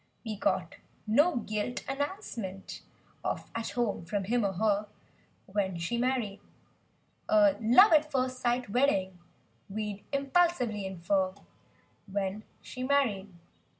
We got no gilt announcement of "At Home" from him or her— When she married. "A love at! first sight wedding" we'd impulsively infer— When she married.